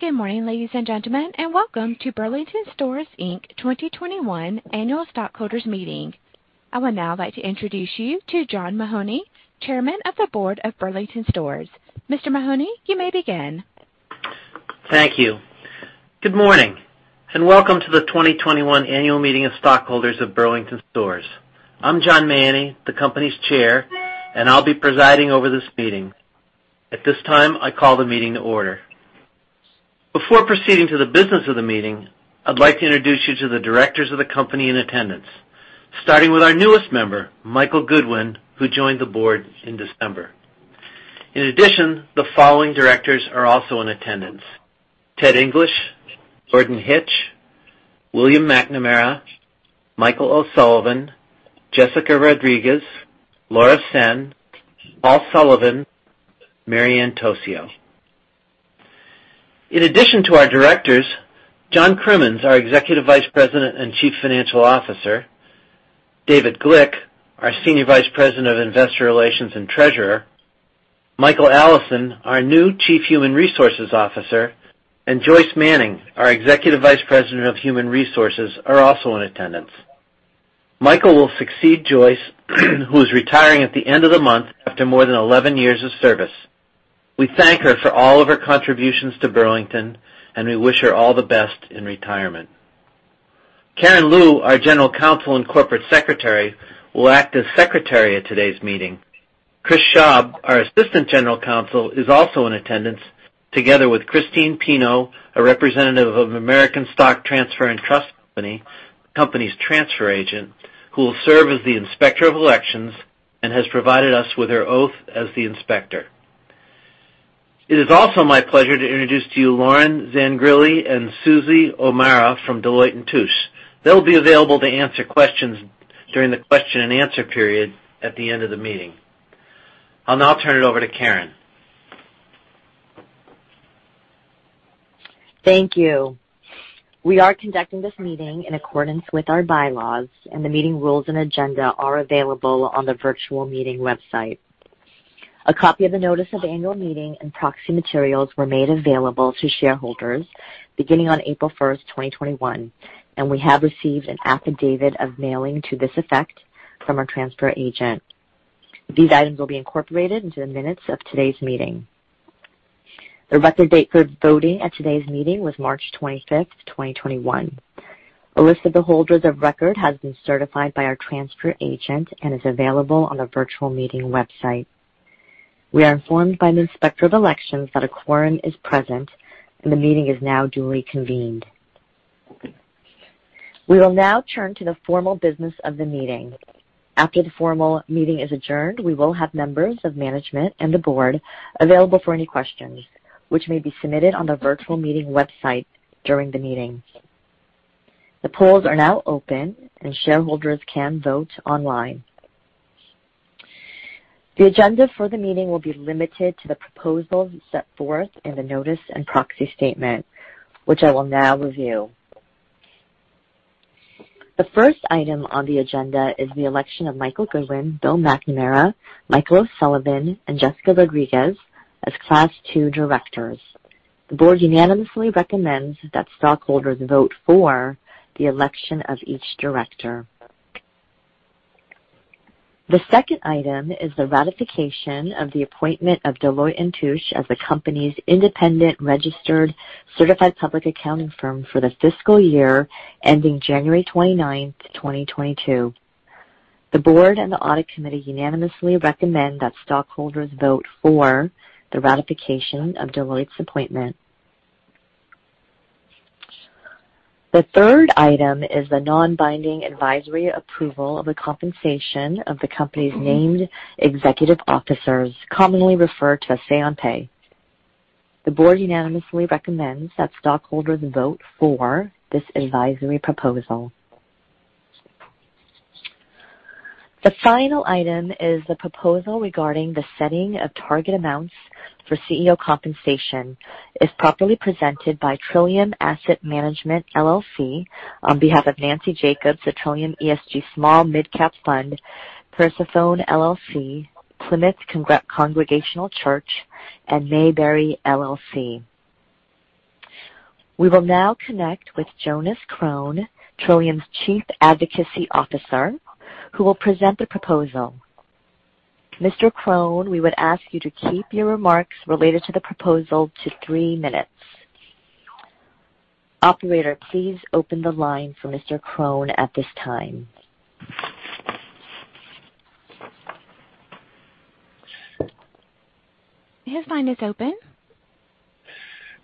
Good morning, ladies and gentlemen, and welcome to Burlington Stores, Inc. 2021 Annual Stockholders' Meeting. I would now like to introduce you to John Mahoney, Chairman of the Board of Burlington Stores. Mr. Mahoney, you may begin. Thank you. Good morning, and welcome to the 2021 Annual Meeting of Stockholders of Burlington Stores. I'm John Mahoney, the company's chair, and I'll be presiding over this meeting. At this time, I call the meeting to order. Before proceeding to the business of the meeting, I'd like to introduce you to the directors of the company in attendance, starting with our newest member, Michael Goodwin, who joined the board in December. In addition, the following directors are also in attendance: Ted English, Jordan Hitch, William McNamara, Michael O'Sullivan, Jessica Rodriguez, Laura Sen, Paul Sullivan, and Mary Ann Tocio. In addition to our directors, John Crimmins, our Executive Vice President and Chief Financial Officer, David Glick, our Senior Vice President of Investor Relations and Treasurer, Michael Allison, our new Chief Human Resources Officer, and Joyce Manning, our Executive Vice President of Human Resources, are also in attendance. Michael will succeed Joyce, who is retiring at the end of the month after more than 11 years of service. We thank her for all of her contributions to Burlington, and we wish her all the best in retirement. Karen Leu, our General Counsel and Corporate Secretary, will act as Secretary at today's meeting. Chris Schaub, our Assistant General Counsel, is also in attendance, together with Christine Pino, a representative of American Stock Transfer & Trust Company, the company's transfer agent, who will serve as the Inspector of Elections and has provided us with her oath as the Inspector. It is also my pleasure to introduce to you Lauren Zangardi and Susie O'Mara from Deloitte & Touche. They'll be available to answer questions during the question and answer period at the end of the meeting. I'll now turn it over to Karen. Thank you. We are conducting this meeting in accordance with our bylaws, and the meeting rules and agenda are available on the virtual meeting website. A copy of the Notice of Annual Meeting and proxy materials were made available to shareholders beginning on April 1, 2021, and we have received an affidavit of mailing to this effect from our transfer agent. These items will be incorporated into the minutes of today's meeting. The record date for voting at today's meeting was March 25, 2021. A list of the holders of record has been certified by our transfer agent and is available on the virtual meeting website. We are informed by the Inspector of Elections that a quorum is present, and the meeting is now duly convened. We will now turn to the formal business of the meeting. After the formal meeting is adjourned, we will have members of management and the board available for any questions, which may be submitted on the virtual meeting website during the meeting. The polls are now open, and shareholders can vote online. The agenda for the meeting will be limited to the proposals set forth in the Notice and Proxy Statement, which I will now review. The first item on the agenda is the election of Michael Goodwin, Bill McNamara, Michael O'Sullivan, and Jessica Rodriguez as Class II Directors. The board unanimously recommends that stockholders vote for the election of each director. The second item is the ratification of the appointment of Deloitte & Touche as the company's independent registered certified public accounting firm for the fiscal year ending January 29, 2022. The board and the audit committee unanimously recommend that stockholders vote for the ratification of Deloitte's appointment. The third item is the non-binding advisory approval of the compensation of the company's named executive officers, commonly referred to as Say-on-Pay. The board unanimously recommends that stockholders vote for this advisory proposal. The final item is the proposal regarding the setting of target amounts for CEO compensation, as properly presented by Trillium Asset Management, LLC, on behalf of Nancy Jacobs, the Trillium ESG Small/Mid Cap Fund, Persephone, LLC, Plymouth Congregational Church, and Mayberry, LLC. We will now connect with Jonas Kron, Trillium's Chief Advocacy Officer, who will present the proposal. Mr. Kron, we would ask you to keep your remarks related to the proposal to three minutes. Operator, please open the line for Mr. Kron at this time. His line is open.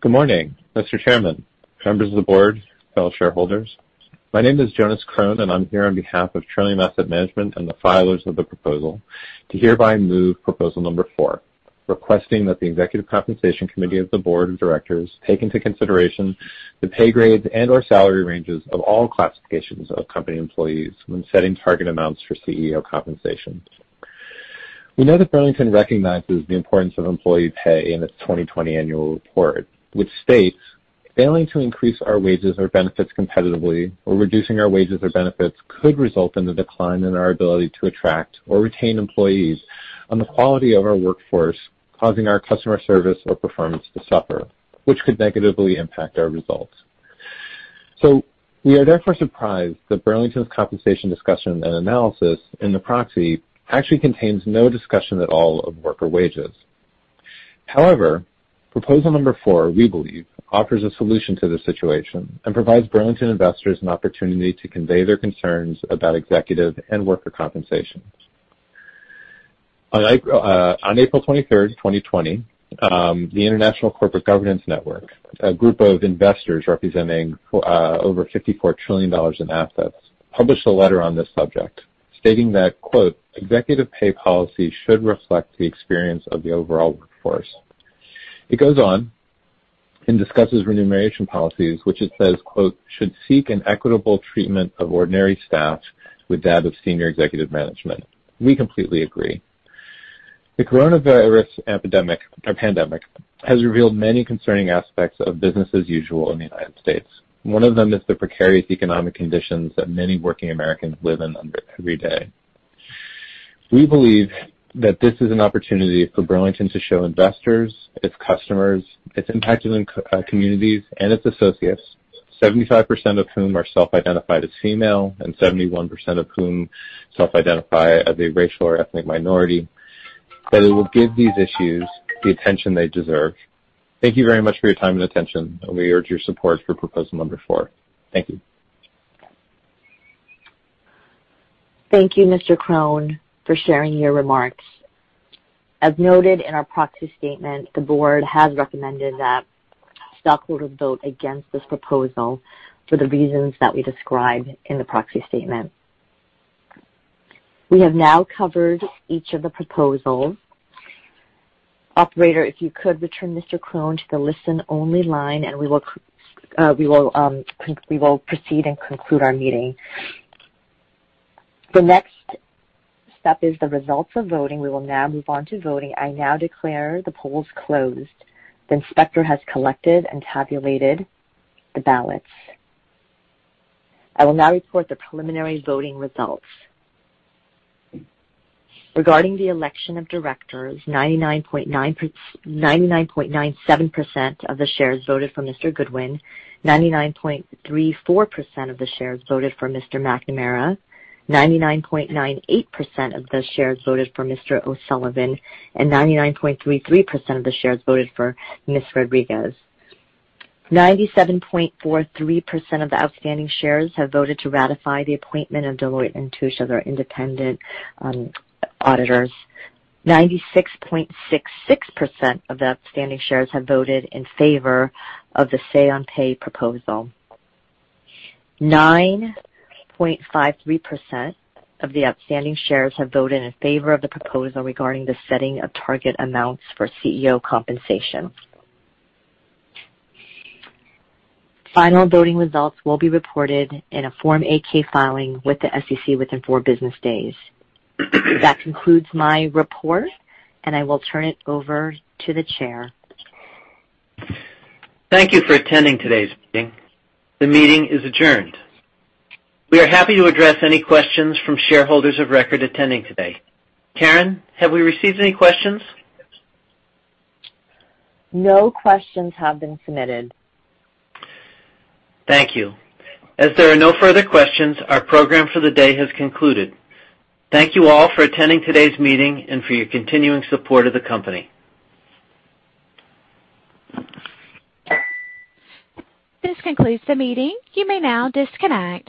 Good morning, Mr. Chairman, members of the board, fellow shareholders. My name is Jonas Kron, and I'm here on behalf of Trillium Asset Management and the filers of the proposal to hereby move proposal number four, requesting that the Executive Compensation Committee of the Board of Directors take into consideration the pay grades and/or salary ranges of all classifications of company employees when setting target amounts for CEO compensation. We know that Burlington recognizes the importance of employee pay in its 2020 Annual Report, which states, "Failing to increase our wages or benefits competitively or reducing our wages or benefits could result in the decline in our ability to attract or retain employees on the quality of our workforce, causing our customer service or performance to suffer, which could negatively impact our results." So we are therefore surprised that Burlington's compensation discussion and analysis in the proxy actually contains no discussion at all of worker wages. However, proposal number four, we believe, offers a solution to this situation and provides Burlington investors an opportunity to convey their concerns about executive and worker compensation. On April 23, 2020, the International Corporate Governance Network, a group of investors representing over $54 trillion in assets, published a letter on this subject stating that, "Executive pay policy should reflect the experience of the overall workforce." It goes on and discusses remuneration policies, which it says, "Should seek an equitable treatment of ordinary staff with that of senior executive management." We completely agree. The coronavirus pandemic has revealed many concerning aspects of business as usual in the United States. One of them is the precarious economic conditions that many working Americans live in every day. We believe that this is an opportunity for Burlington to show investors, its customers, its impacted communities, and its associates, 75% of whom are self-identified as female and 71% of whom self-identify as a racial or ethnic minority, that it will give these issues the attention they deserve. Thank you very much for your time and attention, and we urge your support for proposal number four. Thank you. Thank you, Mr. Kron, for sharing your remarks. As noted in our proxy statement, the board has recommended that stockholders vote against this proposal for the reasons that we describe in the proxy statement. We have now covered each of the proposals. Operator, if you could return Mr. Kron to the listen-only line, and we will proceed and conclude our meeting. The next step is the results of voting. We will now move on to voting. I now declare the polls closed. The inspector has collected and tabulated the ballots. I will now report the preliminary voting results. Regarding the election of directors, 99.97% of the shares voted for Mr. Goodwin, 99.34% of the shares voted for Mr. McNamara, 99.98% of the shares voted for Mr. O'Sullivan, and 99.33% of the shares voted for Ms. Rodriguez. 97.43% of the outstanding shares have voted to ratify the appointment of Deloitte & Touche as our independent auditors. 96.66% of the outstanding shares have voted in favor of the Say-on-Pay proposal. 9.53% of the outstanding shares have voted in favor of the proposal regarding the setting of target amounts for CEO compensation. Final voting results will be reported in a Form 8-K filing with the SEC within four business days. That concludes my report, and I will turn it over to the chair. Thank you for attending today's meeting. The meeting is adjourned. We are happy to address any questions from shareholders of record attending today. Karen, have we received any questions? No questions have been submitted. Thank you. As there are no further questions, our program for the day has concluded. Thank you all for attending today's meeting and for your continuing support of the company. This concludes the meeting. You may now disconnect.